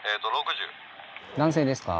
男性ですか？